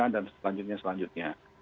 dan selanjutnya selanjutnya